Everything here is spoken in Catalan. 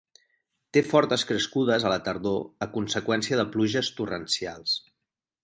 Té fortes crescudes a la tardor a conseqüència de pluges torrencials.